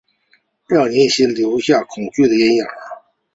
让人心里留下恐惧的阴影